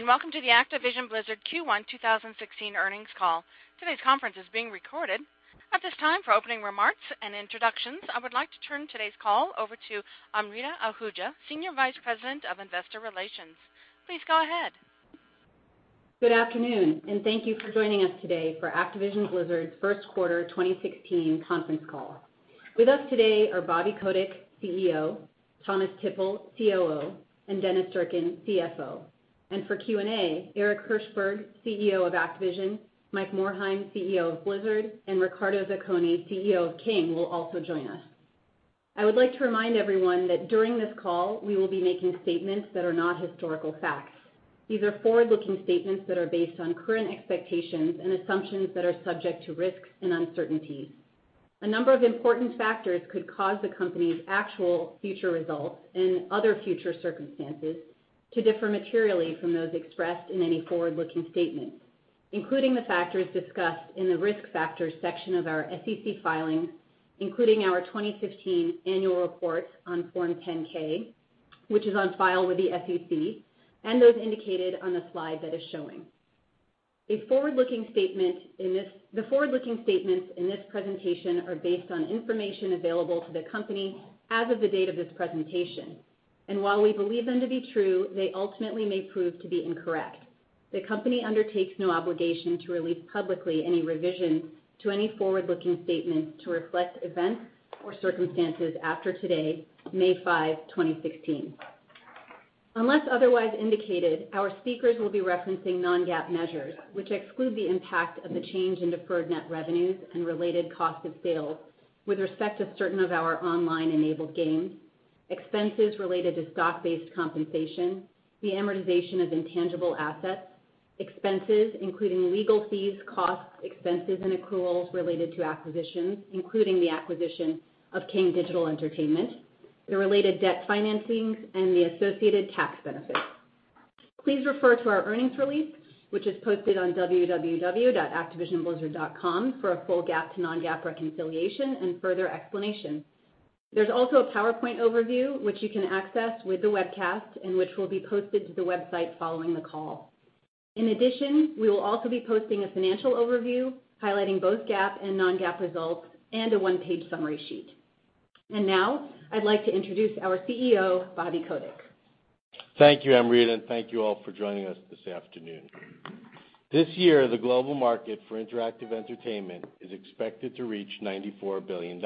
Good day, welcome to the Activision Blizzard Q1 2016 earnings call. Today's conference is being recorded. At this time, for opening remarks and introductions, I would like to turn today's call over to Amrita Ahuja, Senior Vice President of Investor Relations. Please go ahead. Good afternoon, thank you for joining us today for Activision Blizzard's first quarter 2016 conference call. With us today are Bobby Kotick, CEO, Thomas Tippl, COO, and Dennis Durkin, CFO. For Q&A, Eric Hirshberg, CEO of Activision, Mike Morhaime, CEO of Blizzard, and Riccardo Zacconi, CEO of King, will also join us. I would like to remind everyone that during this call, we will be making statements that are not historical facts. These are forward-looking statements that are based on current expectations and assumptions that are subject to risks and uncertainties. A number of important factors could cause the company's actual future results and other future circumstances to differ materially from those expressed in any forward-looking statement, including the factors discussed in the Risk Factors section of our SEC filings, including our 2015 Annual Report on Form 10-K, which is on file with the SEC, and those indicated on the slide that is showing. The forward-looking statements in this presentation are based on information available to the company as of the date of this presentation, and while we believe them to be true, they ultimately may prove to be incorrect. The company undertakes no obligation to release publicly any revision to any forward-looking statement to reflect events or circumstances after today, May 5, 2016. Unless otherwise indicated, our speakers will be referencing non-GAAP measures, which exclude the impact of the change in deferred net revenues and related cost of sales with respect to certain of our online-enabled games, expenses related to stock-based compensation, the amortization of intangible assets, expenses including legal fees, costs, expenses, and accruals related to acquisitions, including the acquisition of King Digital Entertainment, the related debt financings, and the associated tax benefits. Please refer to our earnings release, which is posted on www.activisionblizzard.com for a full GAAP to non-GAAP reconciliation and further explanation. There's also a PowerPoint overview, which you can access with the webcast and which will be posted to the website following the call. In addition, we will also be posting a financial overview highlighting both GAAP and non-GAAP results and a one-page summary sheet. Now I'd like to introduce our CEO, Bobby Kotick. Thank you, Amrita, and thank you all for joining us this afternoon. This year, the global market for interactive entertainment is expected to reach $94 billion.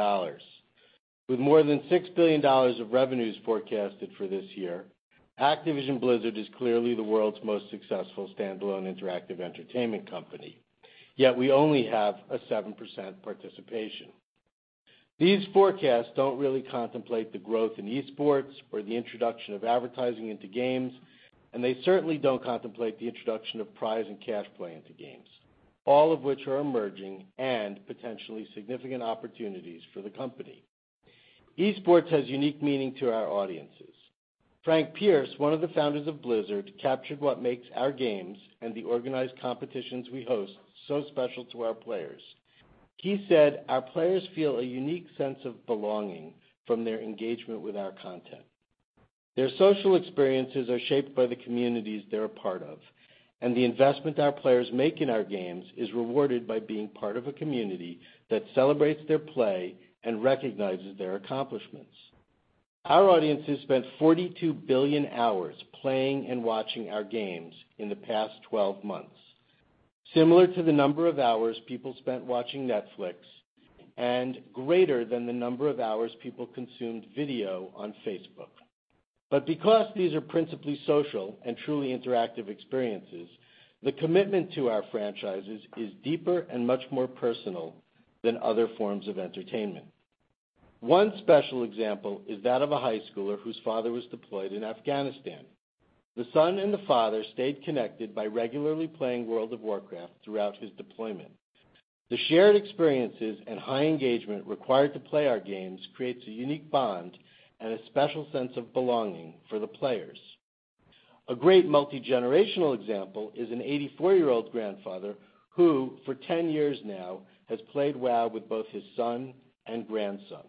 With more than $6 billion of revenues forecasted for this year, Activision Blizzard is clearly the world's most successful standalone interactive entertainment company, yet we only have a 7% participation. These forecasts don't really contemplate the growth in esports or the introduction of advertising into games, and they certainly don't contemplate the introduction of prize and cash play into games, all of which are emerging and potentially significant opportunities for the company. Esports has unique meaning to our audiences. Frank Pearce, one of the founders of Blizzard, captured what makes our games and the organized competitions we host so special to our players. He said, "Our players feel a unique sense of belonging from their engagement with our content. Their social experiences are shaped by the communities they're a part of, and the investment our players make in our games is rewarded by being part of a community that celebrates their play and recognizes their accomplishments." Our audiences spent 42 billion hours playing and watching our games in the past 12 months. Similar to the number of hours people spent watching Netflix, and greater than the number of hours people consumed video on Facebook. Because these are principally social and truly interactive experiences, the commitment to our franchises is deeper and much more personal than other forms of entertainment. One special example is that of a high schooler whose father was deployed in Afghanistan. The son and the father stayed connected by regularly playing World of Warcraft throughout his deployment. The shared experiences and high engagement required to play our games creates a unique bond and a special sense of belonging for the players. A great multi-generational example is an 84-year-old grandfather who, for 10 years now, has played WoW with both his son and grandson.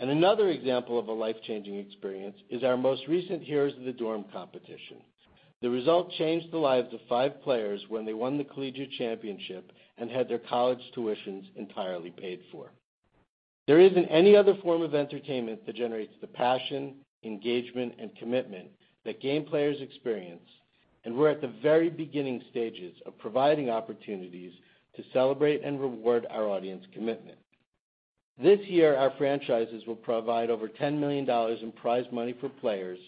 Another example of a life-changing experience is our most recent Heroes of the Dorm competition. The result changed the lives of five players when they won the collegiate championship and had their college tuitions entirely paid for. There isn't any other form of entertainment that generates the passion, engagement, and commitment that game players experience. We're at the very beginning stages of providing opportunities to celebrate and reward our audience commitment. This year, our franchises will provide over $10 million in prize money for players,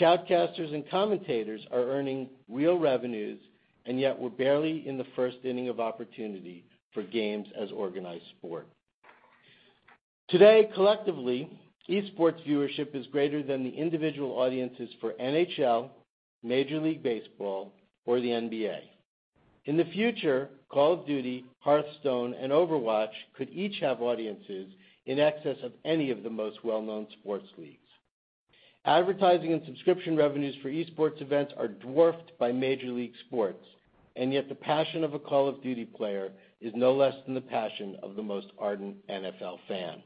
shoutcasters and commentators are earning real revenues, yet we're barely in the first inning of opportunity for games as organized sport. Today, collectively, esports viewership is greater than the individual audiences for NHL, Major League Baseball, or the NBA. In the future, Call of Duty, Hearthstone, and Overwatch could each have audiences in excess of any of the most well-known sports leagues. Advertising and subscription revenues for esports events are dwarfed by major league sports, yet the passion of a Call of Duty player is no less than the passion of the most ardent NFL fan.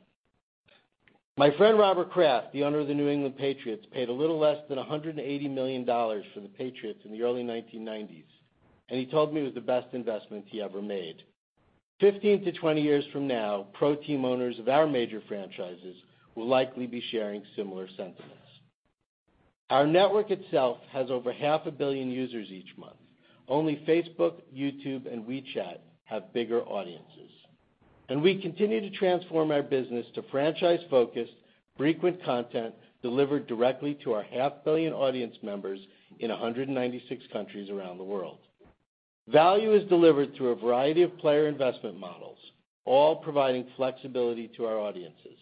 My friend Robert Kraft, the owner of the New England Patriots, paid a little less than $180 million for the Patriots in the early 1990s, he told me it was the best investment he ever made. 15 to 20 years from now, pro team owners of our major franchises will likely be sharing similar sentiments. Our network itself has over half a billion users each month. Only Facebook, YouTube, and WeChat have bigger audiences. We continue to transform our business to franchise-focused, frequent content delivered directly to our half billion audience members in 196 countries around the world. Value is delivered through a variety of player investment models, all providing flexibility to our audiences.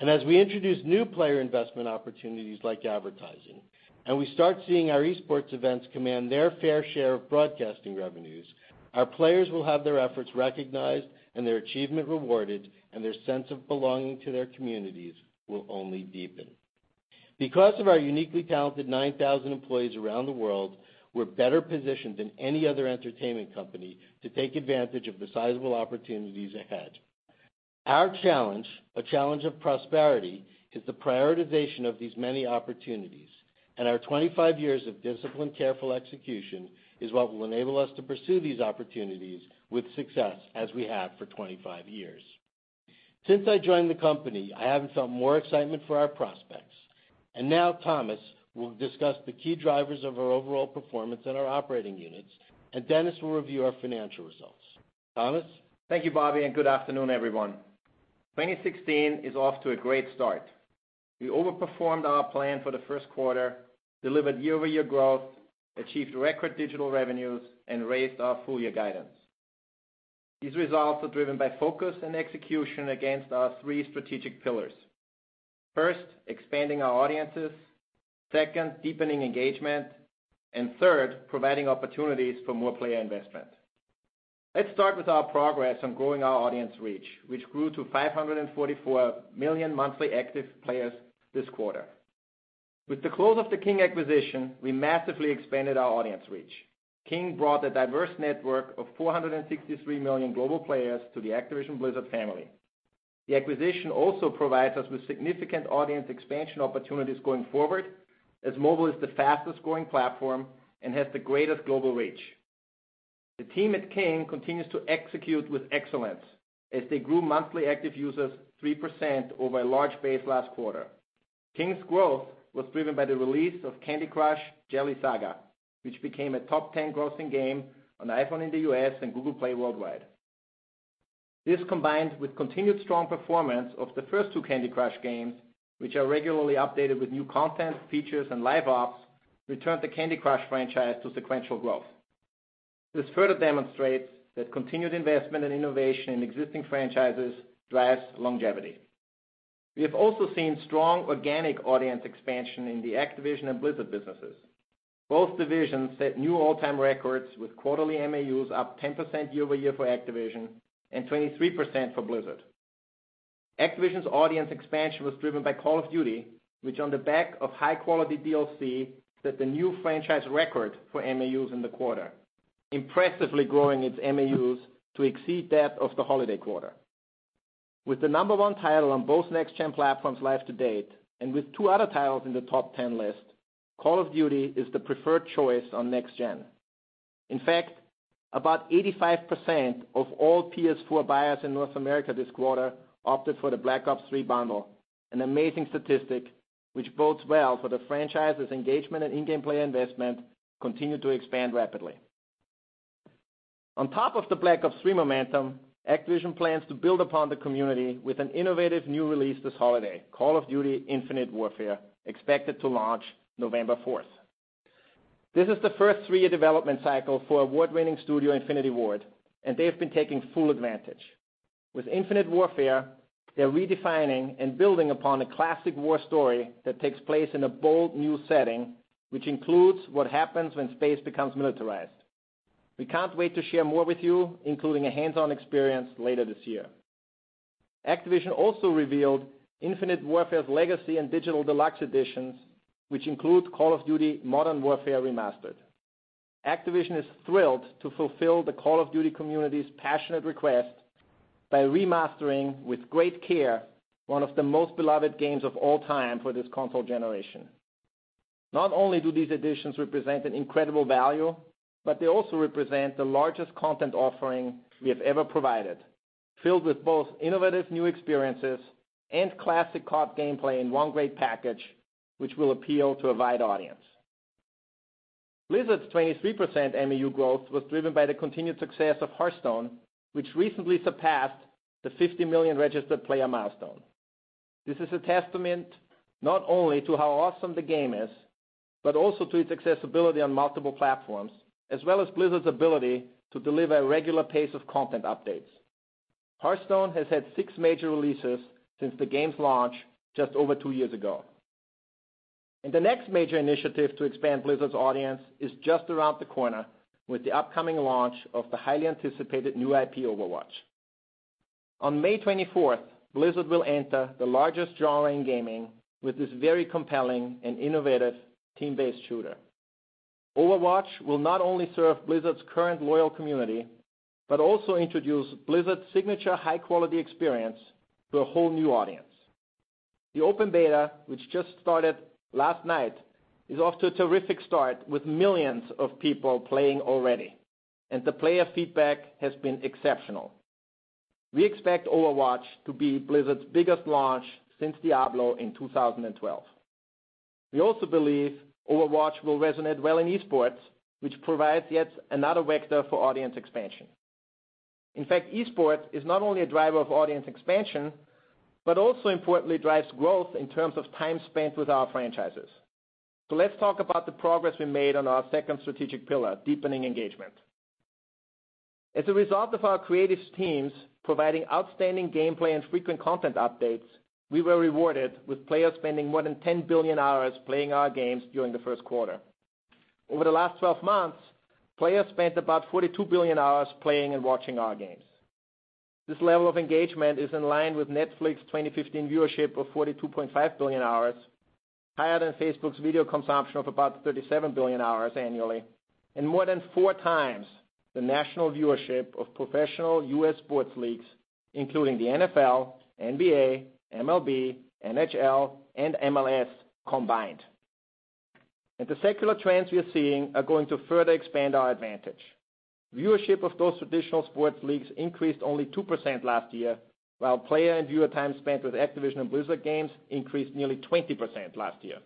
As we introduce new player investment opportunities like advertising, and we start seeing our esports events command their fair share of broadcasting revenues, our players will have their efforts recognized and their achievement rewarded, and their sense of belonging to their communities will only deepen. Because of our uniquely talented 9,000 employees around the world, we're better positioned than any other entertainment company to take advantage of the sizable opportunities ahead. Our challenge, a challenge of prosperity, is the prioritization of these many opportunities, and our 25 years of disciplined, careful execution is what will enable us to pursue these opportunities with success as we have for 25 years. Since I joined the company, I haven't felt more excitement for our prospects. Now Thomas will discuss the key drivers of our overall performance in our operating units, and Dennis will review our financial results. Thomas? Thank you, Bobby, and good afternoon, everyone. 2016 is off to a great start. We overperformed our plan for the first quarter, delivered year-over-year growth, achieved record digital revenues, and raised our full-year guidance. These results are driven by focus and execution against our three strategic pillars. First, expanding our audiences. Second, deepening engagement. Third, providing opportunities for more player investment. Let's start with our progress on growing our audience reach, which grew to 544 million monthly active players this quarter. With the close of the King acquisition, we massively expanded our audience reach. King brought a diverse network of 463 million global players to the Activision Blizzard family. The acquisition also provides us with significant audience expansion opportunities going forward, as mobile is the fastest-growing platform and has the greatest global reach. The team at King continues to execute with excellence as they grew monthly active users 3% over a large base last quarter. King's growth was driven by the release of Candy Crush Jelly Saga, which became a top 10 grossing game on iPhone in the U.S. and Google Play worldwide. This, combined with continued strong performance of the first two Candy Crush games, which are regularly updated with new content, features, and live ops, returned the Candy Crush franchise to sequential growth. This further demonstrates that continued investment and innovation in existing franchises drives longevity. We have also seen strong organic audience expansion in the Activision and Blizzard businesses. Both divisions set new all-time records, with quarterly MAUs up 10% year-over-year for Activision and 23% for Blizzard. Activision's audience expansion was driven by Call of Duty, which on the back of high-quality DLC, set the new franchise record for MAUs in the quarter, impressively growing its MAUs to exceed that of the holiday quarter. With the number one title on both next-gen platforms life to date, and with two other titles in the top 10 list, Call of Duty is the preferred choice on next-gen. In fact, about 85% of all PS4 buyers in North America this quarter opted for the Call of Duty: Black Ops III bundle, an amazing statistic which bodes well for the franchise's engagement and in-game player investment continue to expand rapidly. On top of the Call of Duty: Black Ops III momentum, Activision plans to build upon the community with an innovative new release this holiday, Call of Duty: Infinite Warfare, expected to launch November 4th. This is the first three-year development cycle for award-winning studio Infinity Ward. They have been taking full advantage. With Call of Duty: Infinite Warfare, they're redefining and building upon a classic war story that takes place in a bold new setting, which includes what happens when space becomes militarized. We can't wait to share more with you, including a hands-on experience later this year. Activision also revealed Call of Duty: Infinite Warfare's Legacy and Digital Deluxe editions, which include Call of Duty: Modern Warfare Remastered. Activision is thrilled to fulfill the Call of Duty community's passionate request by remastering with great care, one of the most beloved games of all time for this console generation. Not only do these editions represent an incredible value, but they also represent the largest content offering we have ever provided, filled with both innovative new experiences and classic CoD gameplay in one great package, which will appeal to a wide audience. Blizzard's 23% MAU growth was driven by the continued success of Hearthstone, which recently surpassed the 50 million registered player milestone. This is a testament not only to how awesome the game is, but also to its accessibility on multiple platforms, as well as Blizzard's ability to deliver a regular pace of content updates. Hearthstone has had six major releases since the game's launch just over two years ago. The next major initiative to expand Blizzard's audience is just around the corner with the upcoming launch of the highly anticipated new IP, Overwatch. On May 24th, Blizzard will enter the largest drawing in gaming with this very compelling and innovative team-based shooter. Overwatch will not only serve Blizzard's current loyal community, but also introduce Blizzard's signature high-quality experience to a whole new audience. The open beta, which just started last night, is off to a terrific start with millions of people playing already. The player feedback has been exceptional. We expect Overwatch to be Blizzard's biggest launch since Diablo in 2012. We also believe Overwatch will resonate well in esports, which provides yet another vector for audience expansion. In fact, esports is not only a driver of audience expansion, but also importantly drives growth in terms of time spent with our franchises. Let's talk about the progress we made on our second strategic pillar, deepening engagement. As a result of our creative teams providing outstanding gameplay and frequent content updates, we were rewarded with players spending more than 10 billion hours playing our games during the first quarter. Over the last 12 months, players spent about 42 billion hours playing and watching our games. This level of engagement is in line with Netflix's 2015 viewership of 42.5 billion hours, higher than Facebook's video consumption of about 37 billion hours annually, and more than four times the national viewership of professional U.S. sports leagues, including the NFL, NBA, MLB, NHL, and MLS combined. The secular trends we are seeing are going to further expand our advantage. Viewership of those traditional sports leagues increased only 2% last year, while player and viewer time spent with Activision and Blizzard games increased nearly 20% last year.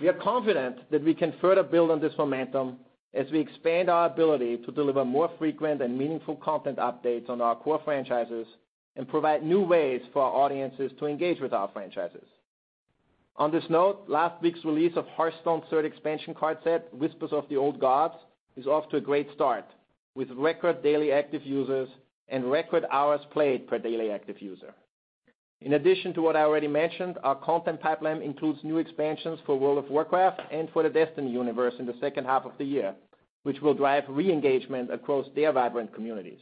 We are confident that we can further build on this momentum as we expand our ability to deliver more frequent and meaningful content updates on our core franchises and provide new ways for our audiences to engage with our franchises. On this note, last week's release of Hearthstone's third expansion card set, Whispers of the Old Gods, is off to a great start with record daily active users and record hours played per daily active user. In addition to what I already mentioned, our content pipeline includes new expansions for World of Warcraft and for the Destiny universe in the second half of the year, which will drive re-engagement across their vibrant communities.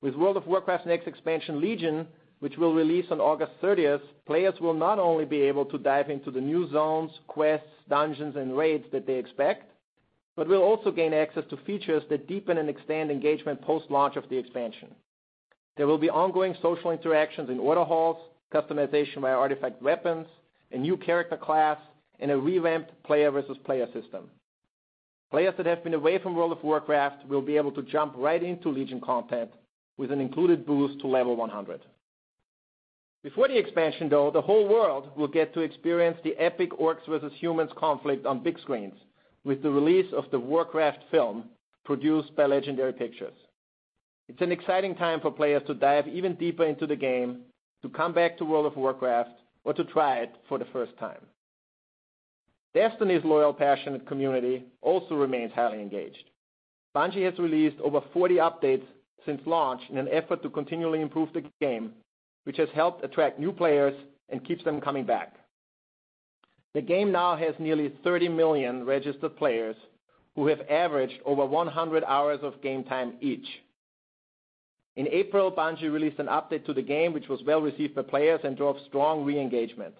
With World of Warcraft's next expansion, Legion, which will release on August 30th, players will not only be able to dive into the new zones, quests, dungeons, and raids that they expect, but will also gain access to features that deepen and expand engagement post-launch of the expansion. There will be ongoing social interactions in order halls, customization by artifact weapons, a new character class, and a revamped player versus player system. Players that have been away from World of Warcraft will be able to jump right into Legion content with an included boost to level 100. Before the expansion, though, the whole world will get to experience the epic Orcs versus Humans conflict on big screens with the release of the Warcraft film produced by Legendary Pictures. It's an exciting time for players to dive even deeper into the game, to come back to World of Warcraft, or to try it for the first time. Destiny's loyal, passionate community also remains highly engaged. Bungie has released over 40 updates since launch in an effort to continually improve the game, which has helped attract new players and keeps them coming back. The game now has nearly 30 million registered players who have averaged over 100 hours of game time each. In April, Bungie released an update to the game, which was well-received by players and drove strong re-engagement.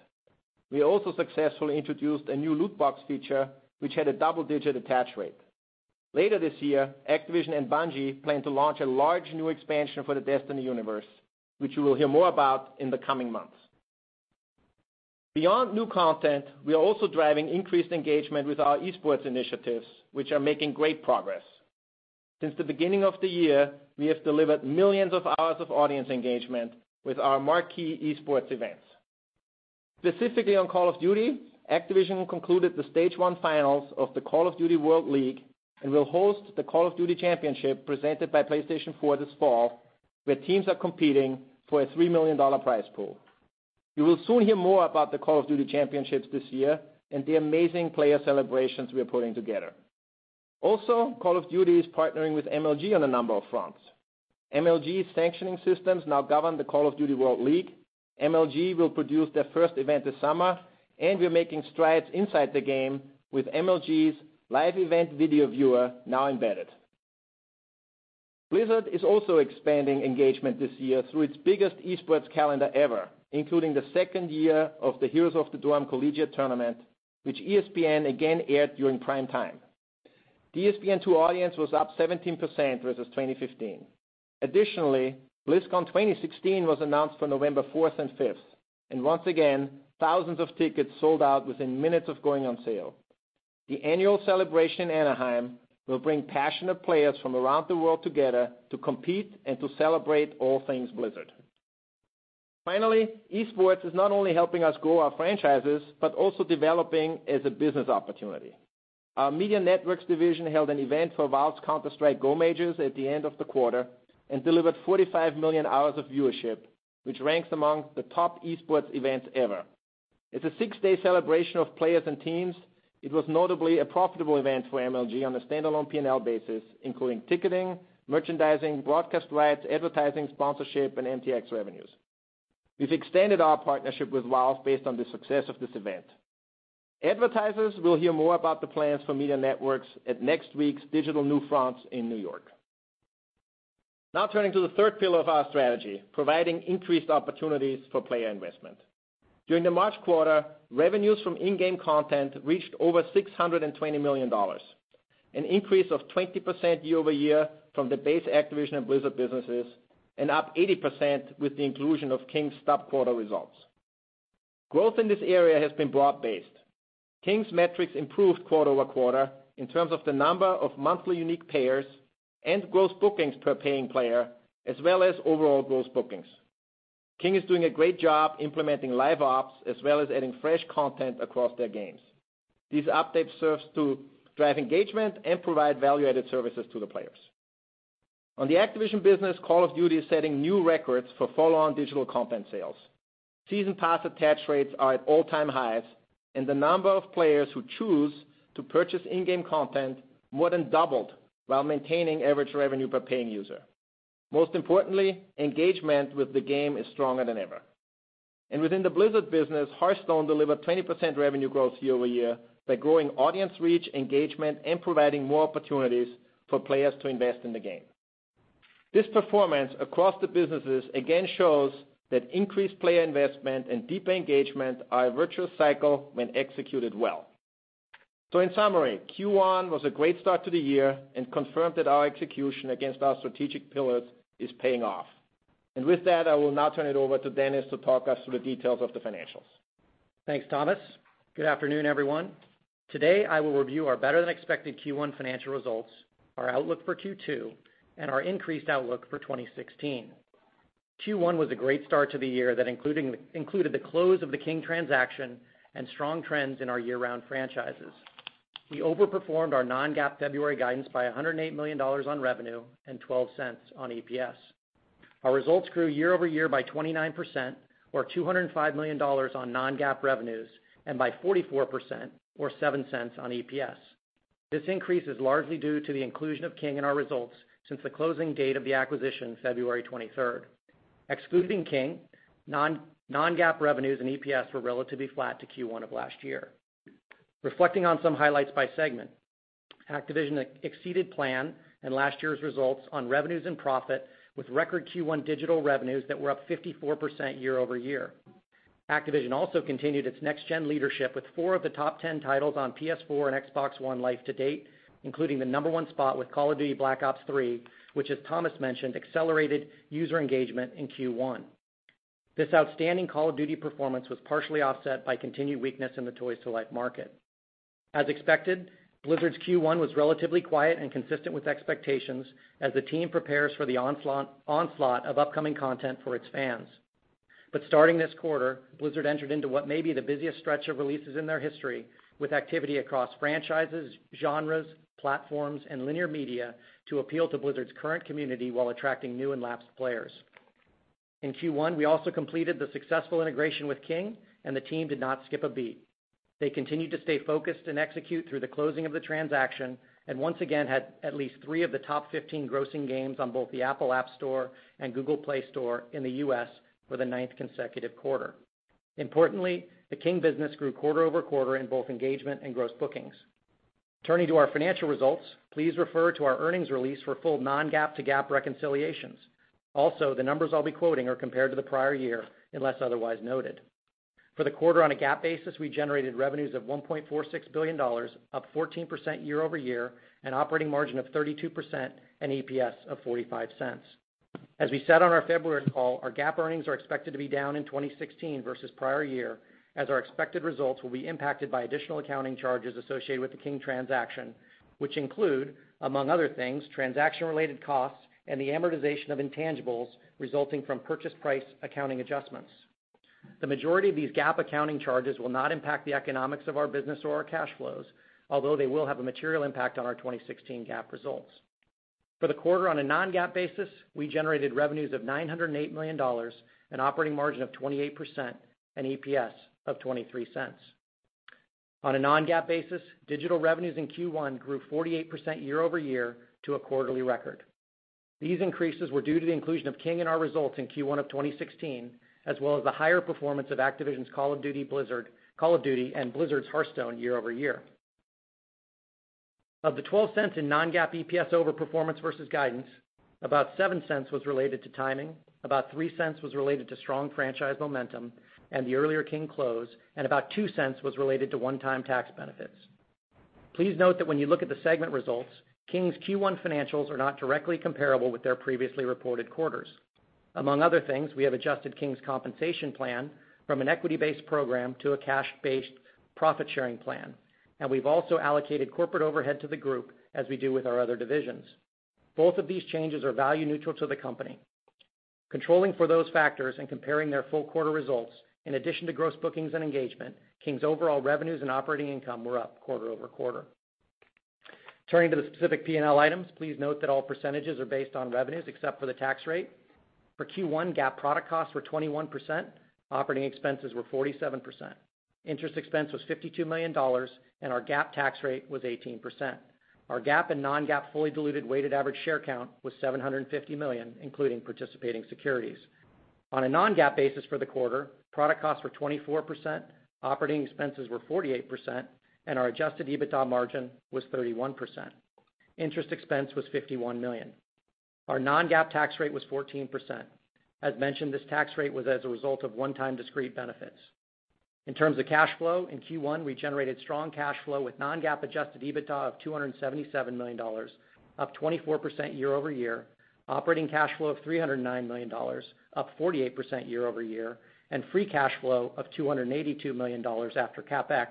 We also successfully introduced a new loot box feature, which had a double-digit attach rate. Later this year, Activision and Bungie plan to launch a large new expansion for the Destiny universe, which you will hear more about in the coming months. Beyond new content, we are also driving increased engagement with our esports initiatives, which are making great progress. Since the beginning of the year, we have delivered millions of hours of audience engagement with our marquee esports events. Specifically on Call of Duty, Activision concluded the stage 1 finals of the Call of Duty World League and will host the Call of Duty Championship presented by PlayStation 4 this fall, where teams are competing for a $3 million prize pool. You will soon hear more about the Call of Duty Championships this year and the amazing player celebrations we are putting together. Call of Duty is partnering with MLG on a number of fronts. MLG's sanctioning systems now govern the Call of Duty World League. MLG will produce their first event this summer, and we're making strides inside the game with MLG's live event video viewer now embedded. Blizzard is also expanding engagement this year through its biggest esports calendar ever, including the second year of the Heroes of the Dorm collegiate tournament, which ESPN again aired during prime time. The ESPN2 audience was up 17% versus 2015. BlizzCon 2016 was announced for November 4th and 5th, and once again, thousands of tickets sold out within minutes of going on sale. The annual celebration in Anaheim will bring passionate players from around the world together to compete and to celebrate all things Blizzard. Finally, esports is not only helping us grow our franchises, but also developing as a business opportunity. Our Media Networks division held an event for Valve's Counter-Strike GO Majors at the end of the quarter and delivered 45 million hours of viewership, which ranks among the top esports events ever. It's a six-day celebration of players and teams. It was notably a profitable event for MLG on a standalone P&L basis, including ticketing, merchandising, broadcast rights, advertising, sponsorship, and MTX revenues. We've extended our partnership with Valve based on the success of this event. Advertisers will hear more about the plans for Media Networks at next week's Digital NewFronts in New York. Now turning to the third pillar of our strategy, providing increased opportunities for player investment. During the March quarter, revenues from in-game content reached over $620 million, an increase of 20% year-over-year from the base Activision and Blizzard businesses, and up 80% with the inclusion of King's sub-quarter results. Growth in this area has been broad-based. King's metrics improved quarter-over-quarter in terms of the number of monthly unique payers and gross bookings per paying player, as well as overall gross bookings. King is doing a great job implementing Live Ops as well as adding fresh content across their games. These updates serve to drive engagement and provide value-added services to the players. On the Activision business, Call of Duty is setting new records for follow-on digital content sales. Season pass attach rates are at all-time highs, and the number of players who choose to purchase in-game content more than doubled while maintaining average revenue per paying user. Most importantly, engagement with the game is stronger than ever. Within the Blizzard business, Hearthstone delivered 20% revenue growth year-over-year by growing audience reach, engagement, and providing more opportunities for players to invest in the game. This performance across the businesses again shows that increased player investment and deeper engagement are a virtuous cycle when executed well. In summary, Q1 was a great start to the year and confirmed that our execution against our strategic pillars is paying off. With that, I will now turn it over to Dennis to talk us through the details of the financials. Thanks, Thomas. Good afternoon, everyone. Today, I will review our better-than-expected Q1 financial results, our outlook for Q2, and our increased outlook for 2016. Q1 was a great start to the year that included the close of the King transaction and strong trends in our year-round franchises. We overperformed our non-GAAP February guidance by $108 million on revenue and $0.12 on EPS. Our results grew year-over-year by 29%, or $205 million on non-GAAP revenues, and by 44%, or $0.07 on EPS. This increase is largely due to the inclusion of King in our results since the closing date of the acquisition, February 23rd. Excluding King, non-GAAP revenues and EPS were relatively flat to Q1 of last year. Reflecting on some highlights by segment, Activision exceeded plan and last year's results on revenues and profit with record Q1 digital revenues that were up 54% year-over-year. Activision also continued its next-gen leadership with four of the top 10 titles on PS4 and Xbox One life to date, including the number one spot with Call of Duty: Black Ops III, which, as Thomas mentioned, accelerated user engagement in Q1. This outstanding Call of Duty performance was partially offset by continued weakness in the toys-to-life market. As expected, Blizzard's Q1 was relatively quiet and consistent with expectations as the team prepares for the onslaught of upcoming content for its fans. Starting this quarter, Blizzard entered into what may be the busiest stretch of releases in their history, with activity across franchises, genres, platforms, and linear media to appeal to Blizzard's current community while attracting new and lapsed players. In Q1, we also completed the successful integration with King, and the team did not skip a beat. They continued to stay focused and execute through the closing of the transaction, once again had at least three of the top 15 grossing games on both the App Store and Google Play Store in the U.S. for the ninth consecutive quarter. Importantly, the King business grew quarter-over-quarter in both engagement and gross bookings. Turning to our financial results, please refer to our earnings release for full non-GAAP to GAAP reconciliations. The numbers I'll be quoting are compared to the prior year, unless otherwise noted. For the quarter on a GAAP basis, we generated revenues of $1.46 billion, up 14% year-over-year, an operating margin of 32%, and EPS of $0.45. As we said on our February call, our GAAP earnings are expected to be down in 2016 versus prior year, as our expected results will be impacted by additional accounting charges associated with the King transaction, which include, among other things, transaction-related costs and the amortization of intangibles resulting from purchase price accounting adjustments. The majority of these GAAP accounting charges will not impact the economics of our business or our cash flows, although they will have a material impact on our 2016 GAAP results. For the quarter on a non-GAAP basis, we generated revenues of $908 million, an operating margin of 28%, and EPS of $0.23. On a non-GAAP basis, digital revenues in Q1 grew 48% year-over-year to a quarterly record. These increases were due to the inclusion of King in our results in Q1 of 2016, as well as the higher performance of Activision's Call of Duty and Blizzard's Hearthstone year-over-year. Of the $0.12 in non-GAAP EPS over performance versus guidance, about $0.07 was related to timing, about $0.03 was related to strong franchise momentum and the earlier King close, and about $0.02 was related to one-time tax benefits. Please note that when you look at the segment results, King's Q1 financials are not directly comparable with their previously reported quarters. Among other things, we have adjusted King's compensation plan from an equity-based program to a cash-based profit-sharing plan. We've also allocated corporate overhead to the group as we do with our other divisions. Both of these changes are value neutral to the company. Controlling for those factors and comparing their full quarter results, in addition to gross bookings and engagement, King's overall revenues and operating income were up quarter-over-quarter. Turning to the specific P&L items, please note that all percentages are based on revenues except for the tax rate. For Q1, GAAP product costs were 21%, operating expenses were 47%. Interest expense was $52 million, and our GAAP tax rate was 18%. Our GAAP and non-GAAP fully diluted weighted average share count was 750 million, including participating securities. On a non-GAAP basis for the quarter, product costs were 24%, operating expenses were 48%, and our adjusted EBITDA margin was 31%. Interest expense was $51 million. Our non-GAAP tax rate was 14%. As mentioned, this tax rate was as a result of one-time discrete benefits. In terms of cash flow, in Q1, we generated strong cash flow with non-GAAP adjusted EBITDA of $277 million, up 24% year-over-year, operating cash flow of $309 million, up 48% year-over-year, and free cash flow of $282 million after CapEx,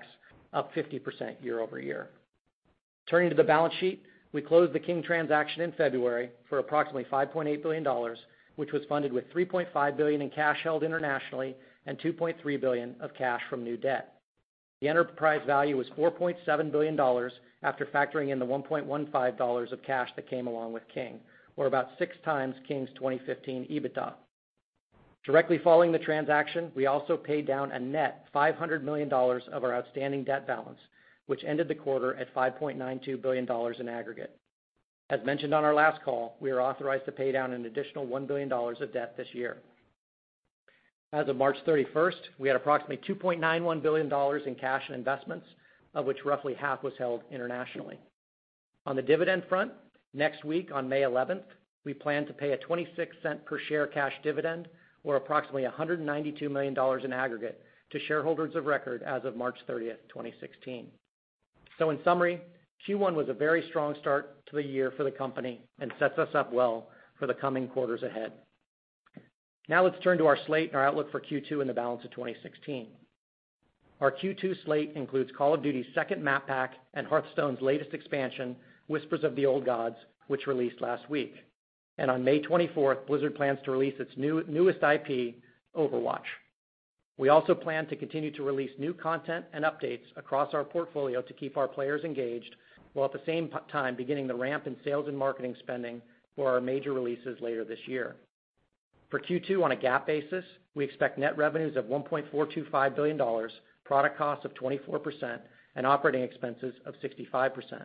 up 50% year-over-year. Turning to the balance sheet. We closed the King transaction in February for approximately $5.8 billion, which was funded with $3.5 billion in cash held internationally and $2.3 billion of cash from new debt. The enterprise value was $4.7 billion after factoring in the $1.15 of cash that came along with King, or about six times King's 2015 EBITDA. Directly following the transaction, we also paid down a net $500 million of our outstanding debt balance, which ended the quarter at $5.92 billion in aggregate. As mentioned on our last call, we are authorized to pay down an additional $1 billion of debt this year. As of March 31st, we had approximately $2.91 billion in cash and investments, of which roughly half was held internationally. On the dividend front, next week on May 11th, we plan to pay a $0.26 per share cash dividend or approximately $192 million in aggregate to shareholders of record as of March 30th, 2016. In summary, Q1 was a very strong start to the year for the company and sets us up well for the coming quarters ahead. Let's turn to our slate and our outlook for Q2 and the balance of 2016. Our Q2 slate includes Call of Duty's second map pack and Hearthstone's latest expansion, Whispers of the Old Gods, which released last week. On May 24th, Blizzard plans to release its newest IP, Overwatch. We also plan to continue to release new content and updates across our portfolio to keep our players engaged, while at the same time beginning the ramp in sales and marketing spending for our major releases later this year. For Q2, on a GAAP basis, we expect net revenues of $1.425 billion, product costs of 24%, and operating expenses of 65%.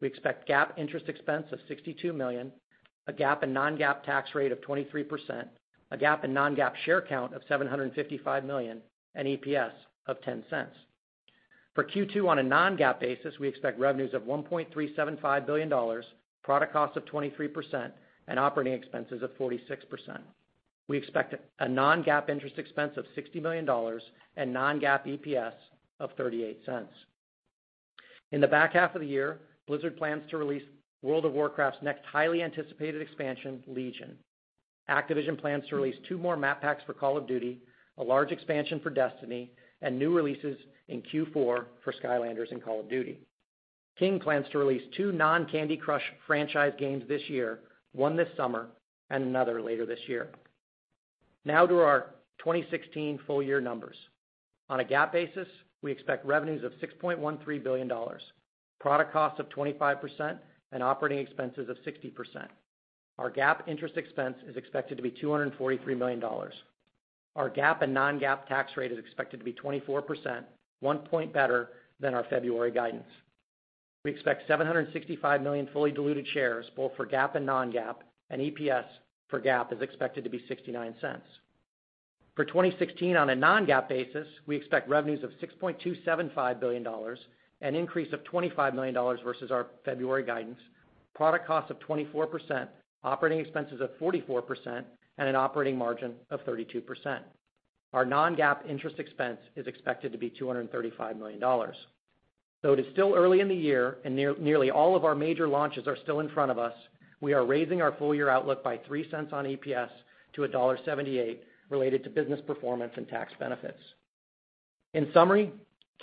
We expect GAAP interest expense of $62 million, a GAAP and non-GAAP tax rate of 23%, a GAAP and non-GAAP share count of 755 million, and EPS of $0.10. For Q2 on a non-GAAP basis, we expect revenues of $1.375 billion, product costs of 23%, and operating expenses of 46%. We expect a non-GAAP interest expense of $60 million and non-GAAP EPS of $0.38. In the back half of the year, Blizzard plans to release World of Warcraft's next highly anticipated expansion, Legion. Activision plans to release two more map packs for Call of Duty, a large expansion for Destiny, and new releases in Q4 for Skylanders and Call of Duty. King plans to release two non-Candy Crush franchise games this year, one this summer and another later this year. To our 2016 full year numbers. On a GAAP basis, we expect revenues of $6.13 billion, product costs of 25%, and operating expenses of 60%. Our GAAP interest expense is expected to be $243 million. Our GAAP and non-GAAP tax rate is expected to be 24%, one point better than our February guidance. We expect 765 million fully diluted shares both for GAAP and non-GAAP, and EPS for GAAP is expected to be $0.69. For 2016, on a non-GAAP basis, we expect revenues of $6.275 billion, an increase of $25 million versus our February guidance, product costs of 24%, operating expenses of 44%, and an operating margin of 32%. Our non-GAAP interest expense is expected to be $235 million. Though it is still early in the year and nearly all of our major launches are still in front of us, we are raising our full-year outlook by $0.03 on EPS to $1.78 related to business performance and tax benefits. In summary,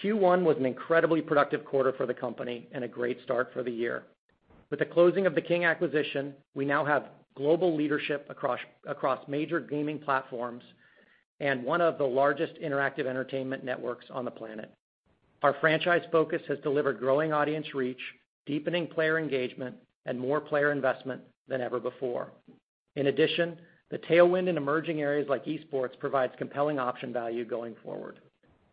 Q1 was an incredibly productive quarter for the company and a great start for the year. With the closing of the King acquisition, we now have global leadership across major gaming platforms and one of the largest interactive entertainment networks on the planet. Our franchise focus has delivered growing audience reach, deepening player engagement, and more player investment than ever before. In addition, the tailwind in emerging areas like esports provides compelling option value going forward.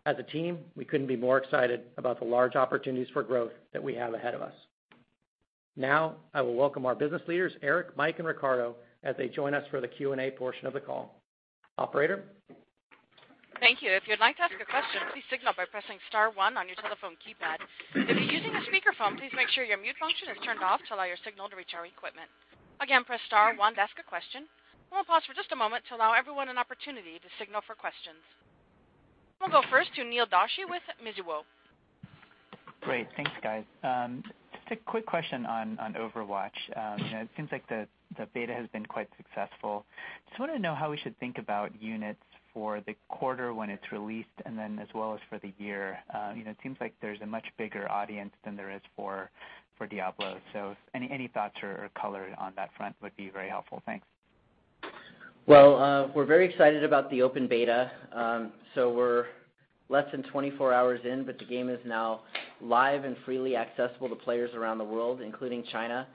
As a team, we couldn't be more excited about the large opportunities for growth that we have ahead of us. Now, I will welcome our business leaders, Eric, Mike, and Riccardo, as they join us for the Q&A portion of the call. Operator? Thank you. If you'd like to ask a question, please signal by pressing star one on your telephone keypad. If you're using a speakerphone, please make sure your mute function is turned off to allow your signal to reach our equipment. Again, press star one to ask a question. We'll pause for just a moment to allow everyone an opportunity to signal for questions. We'll go first to Neil Doshi with Mizuho. Great. Thanks, guys. Just a quick question on Overwatch. It seems like the beta has been quite successful. Just wanted to know how we should think about units for the quarter when it's released and then as well as for the year. It seems like there's a much bigger audience than there is for Diablo. Any thoughts or color on that front would be very helpful. Thanks. Well, we're very excited about the open beta. We're less than 24 hours in, but the game is now live and freely accessible to players around the world, including China.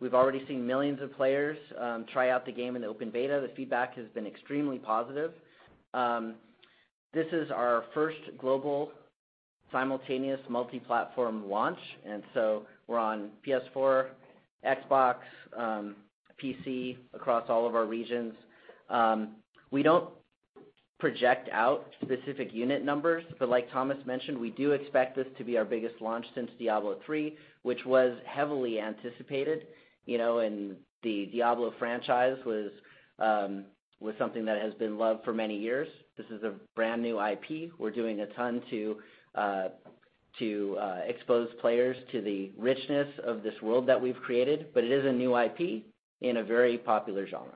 We've already seen millions of players try out the game in the open beta. The feedback has been extremely positive. This is our first global. Simultaneous multi-platform launch. We're on PS4, Xbox, PC, across all of our regions. We don't project out specific unit numbers, but like Thomas mentioned, we do expect this to be our biggest launch since Diablo III, which was heavily anticipated. The Diablo franchise was something that has been loved for many years. This is a brand-new IP. We're doing a ton to expose players to the richness of this world that we've created, but it is a new IP in a very popular genre.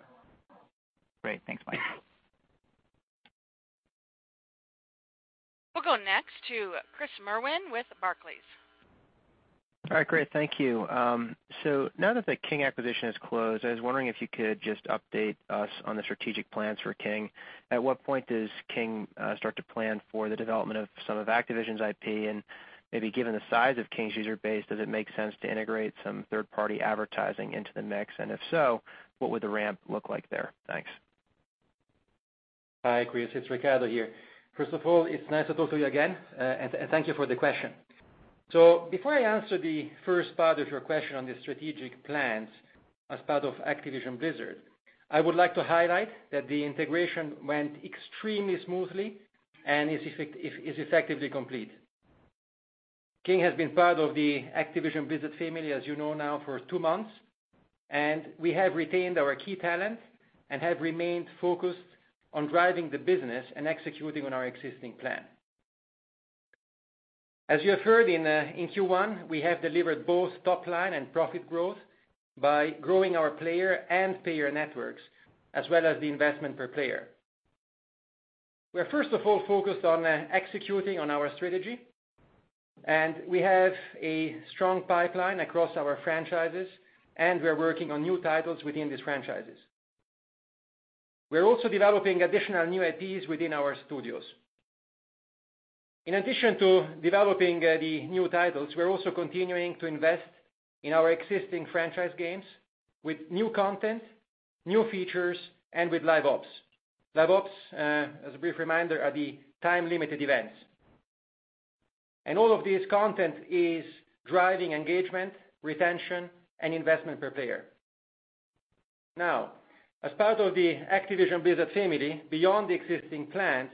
Great. Thanks, Mike. We'll go next to Chris Merwin with Barclays. All right, great. Thank you. Now that the King acquisition is closed, I was wondering if you could just update us on the strategic plans for King. At what point does King start to plan for the development of some of Activision's IP? Maybe given the size of King's user base, does it make sense to integrate some third-party advertising into the mix? If so, what would the ramp look like there? Thanks. Hi, Chris. It's Riccardo here. First of all, it's nice to talk to you again. Thank you for the question. Before I answer the first part of your question on the strategic plans as part of Activision Blizzard, I would like to highlight that the integration went extremely smoothly and is effectively complete. King has been part of the Activision Blizzard family, as you know now, for two months, and we have retained our key talent and have remained focused on driving the business and executing on our existing plan. As you have heard in Q1, we have delivered both top line and profit growth by growing our player and payer networks, as well as the investment per player. We're first of all focused on executing on our strategy, and we have a strong pipeline across our franchises, and we're working on new titles within these franchises. We're also developing additional new IPs within our studios. In addition to developing the new titles, we're also continuing to invest in our existing franchise games with new content, new features, and with Live Ops. Live Ops, as a brief reminder, are the time-limited events. All of this content is driving engagement, retention, and investment per payer. As part of the Activision Blizzard family, beyond the existing plans,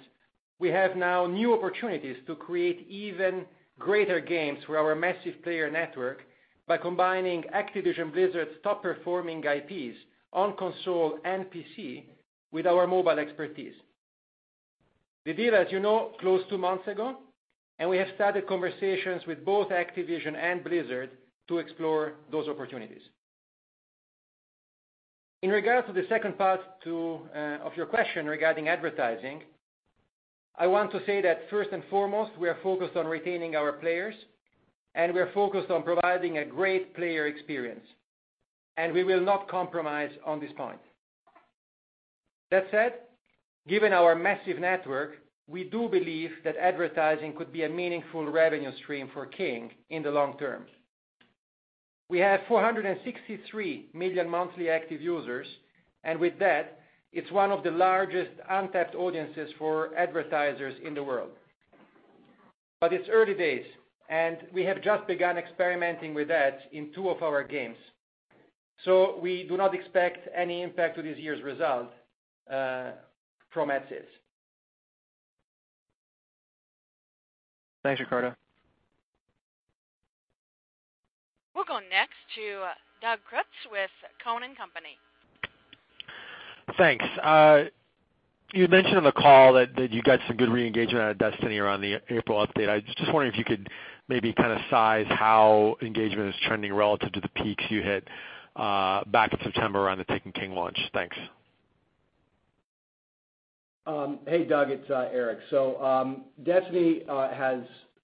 we have now new opportunities to create even greater games for our massive player network by combining Activision Blizzard's top-performing IPs on console and PC with our mobile expertise. The deal, as you know, closed two months ago, and we have started conversations with both Activision and Blizzard to explore those opportunities. In regards to the second part of your question regarding advertising, I want to say that first and foremost, we are focused on retaining our players, and we are focused on providing a great player experience. We will not compromise on this point. That said, given our massive network, we do believe that advertising could be a meaningful revenue stream for King in the long term. We have 463 million Monthly Active Users, and with that, it's one of the largest untapped audiences for advertisers in the world. It's early days, and we have just begun experimenting with that in two of our games. We do not expect any impact to this year's result from ad sales. Thanks, Riccardo. We'll go next to Doug Creutz with Cowen and Company. Thanks. You had mentioned on the call that you got some good re-engagement out of Destiny around the April update. I was just wondering if you could maybe kind of size how engagement is trending relative to the peaks you hit back in September around The Taken King launch. Thanks. Hey, Doug. It's Eric. Destiny has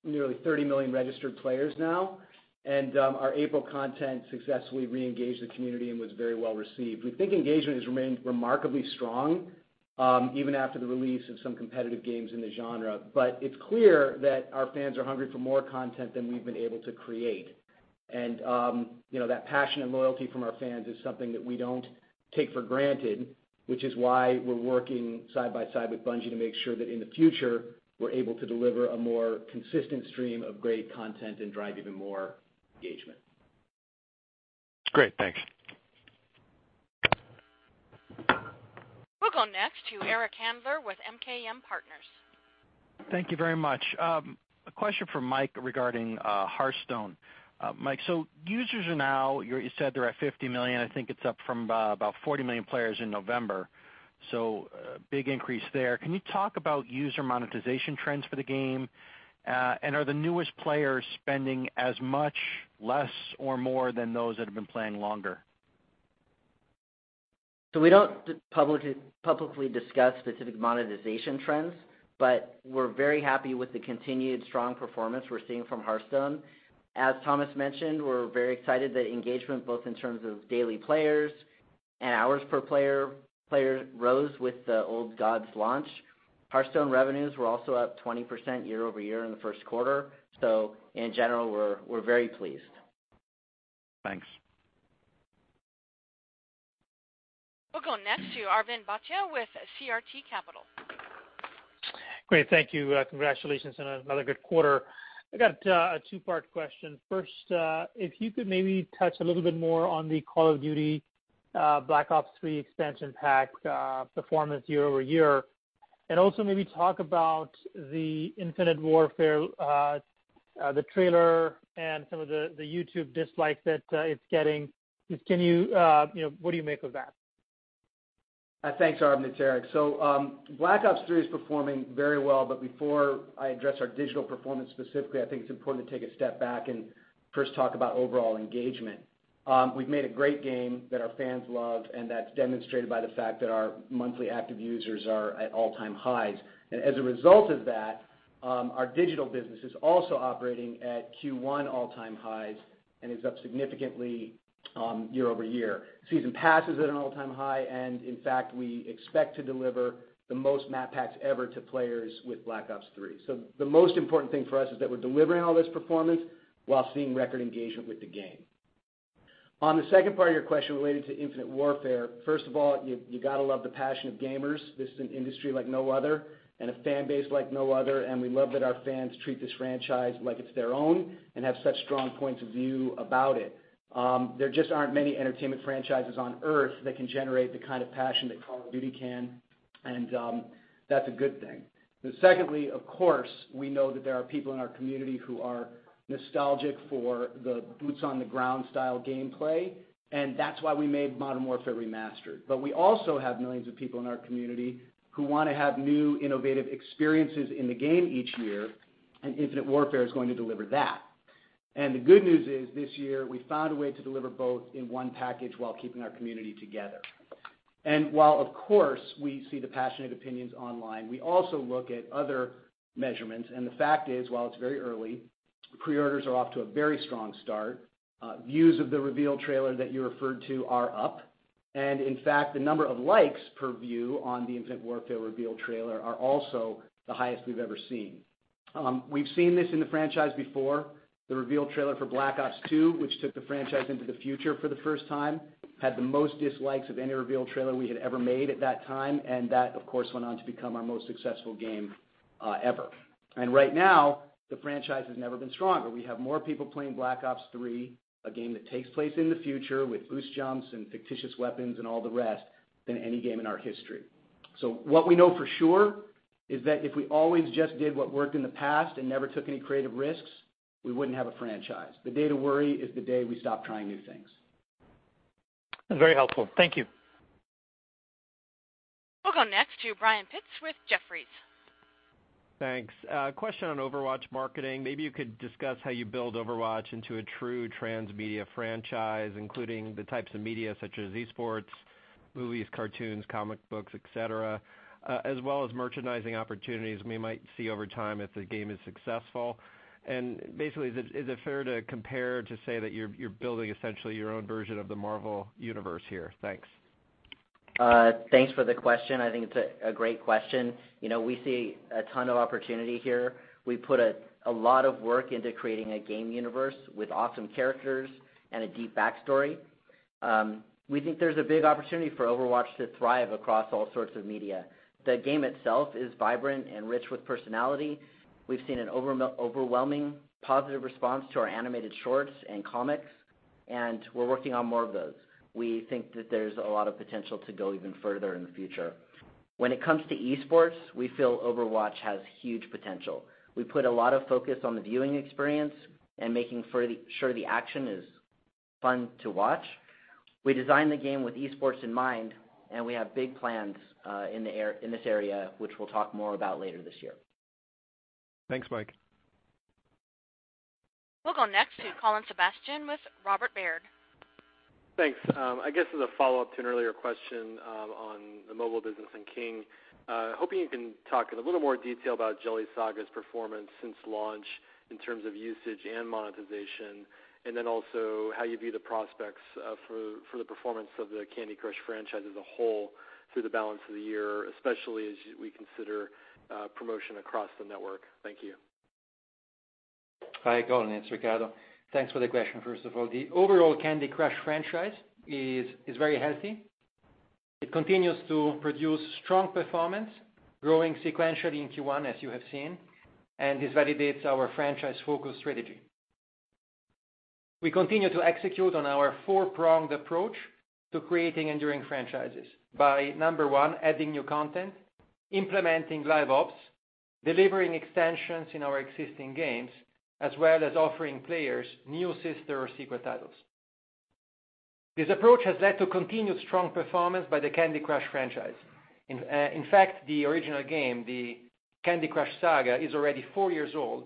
nearly $30 million registered players now, and our April content successfully re-engaged the community and was very well received. We think engagement has remained remarkably strong even after the release of some competitive games in the genre. It's clear that our fans are hungry for more content than we've been able to create. That passion and loyalty from our fans is something that we don't take for granted, which is why we're working side by side with Bungie to make sure that in the future, we're able to deliver a more consistent stream of great content and drive even more engagement. Great. Thanks. We'll go next to Eric Handler with MKM Partners. Thank you very much. A question for Mike regarding Hearthstone. Mike, users are now, you said they're at 50 million. I think it's up from about 40 million players in November, a big increase there. Can you talk about user monetization trends for the game? Are the newest players spending as much, less, or more than those that have been playing longer? We don't publicly discuss specific monetization trends. We're very happy with the continued strong performance we're seeing from Hearthstone. As Thomas mentioned, we're very excited that engagement, both in terms of daily players and hours per player rose with the Old Gods launch. Hearthstone revenues were also up 20% year-over-year in the first quarter. In general, we're very pleased. Thanks. Next to Arvind Bhatia with CRT Capital. Great. Thank you. Congratulations on another good quarter. I got a two-part question. First, if you could maybe touch a little bit more on the Call of Duty: Black Ops III expansion pack performance year-over-year, also maybe talk about the Infinite Warfare, the trailer, and some of the YouTube dislikes that it's getting. What do you make of that? Thanks, Arvind. It's Eric. Black Ops III is performing very well, but before I address our digital performance specifically, I think it's important to take a step back and first talk about overall engagement. We've made a great game that our fans love, that's demonstrated by the fact that our Monthly Active Users are at all-time highs. As a result of that, our digital business is also operating at Q1 all-time highs and is up significantly year-over-year. Season pass is at an all-time high, in fact, we expect to deliver the most map packs ever to players with Black Ops III. The most important thing for us is that we're delivering all this performance while seeing record engagement with the game. On the second part of your question related to Infinite Warfare, first of all, you've got to love the passion of gamers. This is an industry like no other and a fan base like no other, we love that our fans treat this franchise like it's their own and have such strong points of view about it. There just aren't many entertainment franchises on Earth that can generate the kind of passion that Call of Duty can, that's a good thing. Secondly, of course, we know that there are people in our community who are nostalgic for the boots-on-the-ground style game play, that's why we made Modern Warfare Remastered. We also have millions of people in our community who want to have new, innovative experiences in the game each year, Infinite Warfare is going to deliver that. The good news is this year, we found a way to deliver both in one package while keeping our community together. While of course, we see the passionate opinions online, we also look at other measurements, the fact is, while it's very early, pre-orders are off to a very strong start. Views of the reveal trailer that you referred to are up, in fact, the number of likes per view on the Infinite Warfare reveal trailer are also the highest we've ever seen. We've seen this in the franchise before. The reveal trailer for Black Ops II, which took the franchise into the future for the first time, had the most dislikes of any reveal trailer we had ever made at that time, that, of course, went on to become our most successful game ever. Right now, the franchise has never been stronger. We have more people playing Black Ops III, a game that takes place in the future with boost jumps and fictitious weapons and all the rest, than any game in our history. What we know for sure is that if we always just did what worked in the past and never took any creative risks, we wouldn't have a franchise. The day to worry is the day we stop trying new things. That's very helpful. Thank you. We'll go next to Brian Pitz with Jefferies. Thanks. A question on Overwatch marketing. Maybe you could discuss how you build Overwatch into a true transmedia franchise, including the types of media such as esports, movies, cartoons, comic books, et cetera, as well as merchandising opportunities we might see over time if the game is successful. Basically, is it fair to compare to say that you're building essentially your own version of the Marvel Universe here? Thanks. Thanks for the question. I think it's a great question. We see a ton of opportunity here. We put a lot of work into creating a game universe with awesome characters and a deep backstory. We think there's a big opportunity for Overwatch to thrive across all sorts of media. The game itself is vibrant and rich with personality. We've seen an overwhelming positive response to our animated shorts and comics, and we're working on more of those. We think that there's a lot of potential to go even further in the future. When it comes to esports, we feel Overwatch has huge potential. We put a lot of focus on the viewing experience and making sure the action is fun to watch. We designed the game with esports in mind, and we have big plans in this area, which we'll talk more about later this year. Thanks, Mike. We'll go next to Colin Sebastian with Robert W. Baird. Thanks. I guess as a follow-up to an earlier question on the mobile business and King, hoping you can talk in a little more detail about Jelly Saga's performance since launch in terms of usage and monetization, and then also how you view the prospects for the performance of the Candy Crush franchise as a whole through the balance of the year, especially as we consider promotion across the network. Thank you. Hi, Colin, it's Riccardo. Thanks for the question, first of all. The overall Candy Crush franchise is very healthy. It continues to produce strong performance, growing sequentially in Q1, as you have seen. This validates our franchise-focused strategy. We continue to execute on our four-pronged approach to creating enduring franchises by, number 1, adding new content, implementing live ops, delivering extensions in our existing games, as well as offering players new sister or sequel titles. This approach has led to continued strong performance by the Candy Crush franchise. In fact, the original game, the Candy Crush Saga, is already four years old.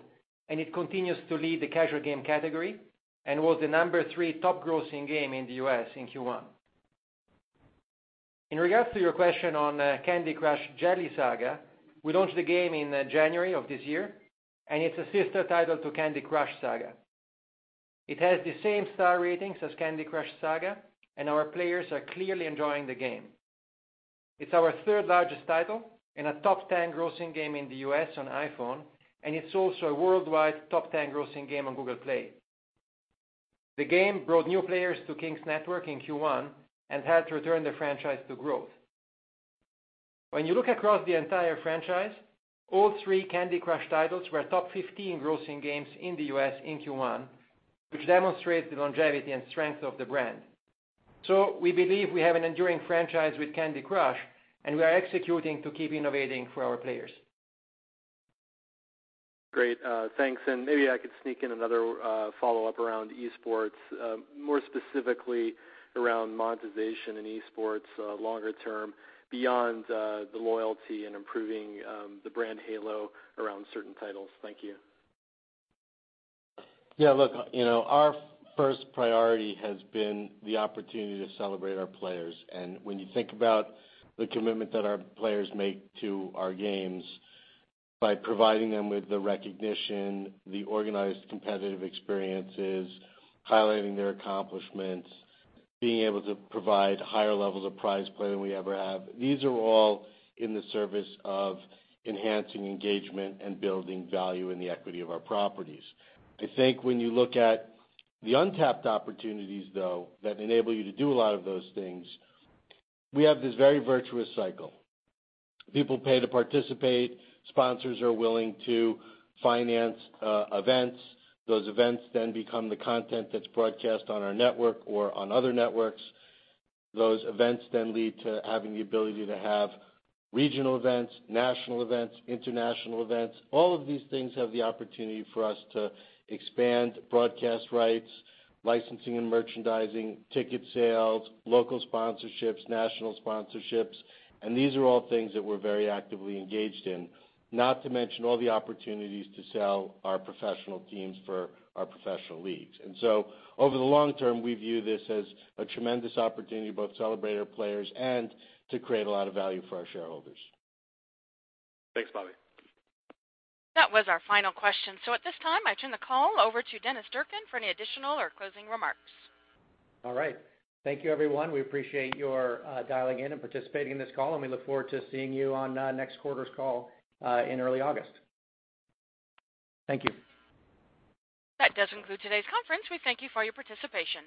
It continues to lead the casual game category and was the number 3 top grossing game in the U.S. in Q1. In regards to your question on Candy Crush Jelly Saga, we launched the game in January of this year. It's a sister title to Candy Crush Saga. It has the same star ratings as Candy Crush Saga. Our players are clearly enjoying the game. It's our third-largest title and a top 10 grossing game in the U.S. on iPhone. It's also a worldwide top 10 grossing game on Google Play. The game brought new players to King's network in Q1 and helped return the franchise to growth. When you look across the entire franchise, all three Candy Crush titles were top 15 grossing games in the U.S. in Q1, which demonstrates the longevity and strength of the brand. We believe we have an enduring franchise with Candy Crush. We are executing to keep innovating for our players. Great, thanks. Maybe I could sneak in another follow-up around esports, more specifically around monetization in esports longer term, beyond the loyalty and improving the brand halo around certain titles. Thank you. Yeah, look, our first priority has been the opportunity to celebrate our players. When you think about the commitment that our players make to our games, by providing them with the recognition, the organized competitive experiences, highlighting their accomplishments, being able to provide higher levels of prize play than we ever have, these are all in the service of enhancing engagement and building value in the equity of our properties. I think when you look at the untapped opportunities, though, that enable you to do a lot of those things, we have this very virtuous cycle. People pay to participate. Sponsors are willing to finance events. Those events become the content that's broadcast on our network or on other networks. Those events lead to having the ability to have regional events, national events, international events. All of these things have the opportunity for us to expand broadcast rights, licensing and merchandising, ticket sales, local sponsorships, national sponsorships, these are all things that we're very actively engaged in, not to mention all the opportunities to sell our professional teams for our professional leagues. Over the long term, we view this as a tremendous opportunity to both celebrate our players and to create a lot of value for our shareholders. Thanks, Bobby. That was our final question. At this time, I turn the call over to Dennis Durkin for any additional or closing remarks. All right. Thank you everyone. We appreciate your dialing in and participating in this call, we look forward to seeing you on next quarter's call in early August. Thank you. That does conclude today's conference. We thank you for your participation.